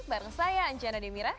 bareng saya anjana demira